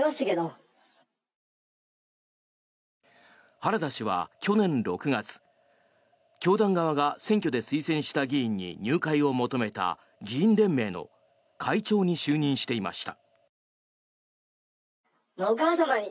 原田氏は去年６月教団側が選挙で推薦した議員に入会を求めた議員連盟の会長に就任していました。